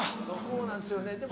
そうなんですよね